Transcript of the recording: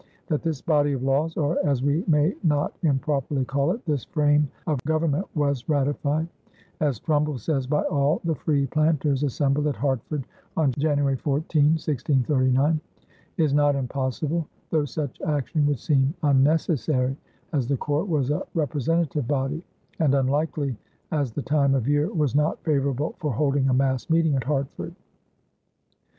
That this body of laws or, as we may not improperly call it, this frame of government was ratified, as Trumbull says, by all the free planters assembled at Hartford on January 14, 1639, is not impossible, though such action would seem unnecessary as the court was a representative body, and unlikely as the time of year was not favorable for holding a mass meeting at Hartford.